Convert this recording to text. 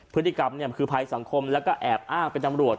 พฤติกรรมคือภัยสังคมแล้วก็แอบอ้างเป็นตำรวจ